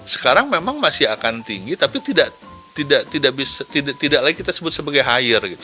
sekarang memang masih akan tinggi tapi tidak lagi kita sebut sebagai hire gitu